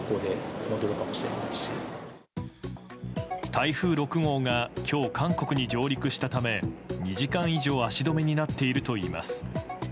台風６号が今日、韓国に上陸したため２時間以上足止めになっているといいます。